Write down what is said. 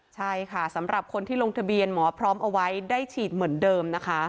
ใช่ค่ะสำหรับคนที่ลงทะเบียนหมอพร้อมเอาไว้ได้ฉีดเหมือนเดิมนะคะ